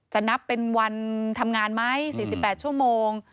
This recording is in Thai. นับเป็นวันทำงานไหม๔๘ชั่วโมง